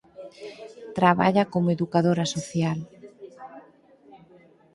Traballa como educadora social.